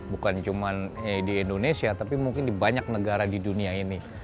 bukan cuma di indonesia tapi mungkin di banyak negara di dunia ini